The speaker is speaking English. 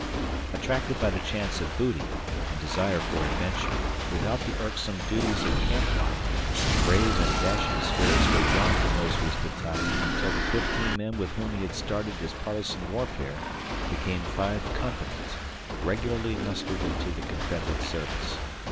Attracted by the chance of booty and desire for adventure, without the irksome duties of camp life, brave and dashing spirits were drawn to Mosby's battalion until the fifteen men with whom he had started his partisan warfare became five companies, regularly mustered into the Confederate service.